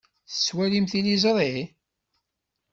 Tettwalimt tiliẓri?